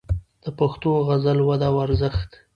د پښتو غزل وده او ارزښت